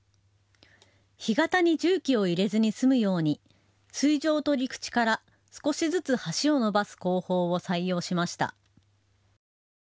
干潟に重機を入れずに済むように水上と陸地から少しずつ橋を伸ばす工法を採用しました。